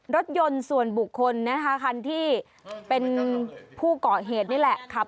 รถยนต์ส่วนบุคคลนะคะคันที่เป็นผู้เกาะเหตุนี่แหละครับ